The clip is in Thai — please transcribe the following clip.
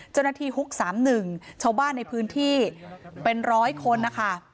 เจ้าหน้าที่ฮุก๓๑ชาวบ้านในพื้นที่เป็นร้อยคนนะคะ